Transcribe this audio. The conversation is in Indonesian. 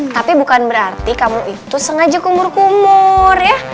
tapi bukan berarti kamu itu sengaja kumur kumur ya